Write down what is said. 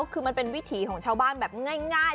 คือมันเป็นวิถีของชาวบ้านแบบง่าย